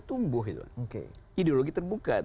tumbuh ideologi terbuka